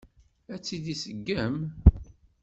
Ad tt-iseggem?